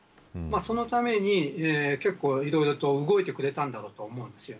そのために、結構いろいろと動いてくれたんだろうと思うんです。